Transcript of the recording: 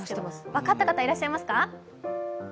分かった方、いらっしゃいますか？